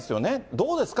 どうですか？